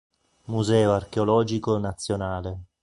Museo archeologico nazionale